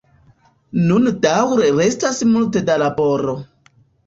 Nun daŭre restas multe da laboro.